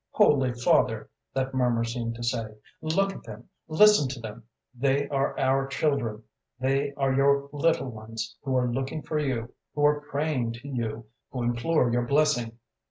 "'Holy Father,' that murmur seemed to say, 'look at them, listen to them! They are our children, they are your little ones, who are looking for you, who are praying to you, who implore your blessing.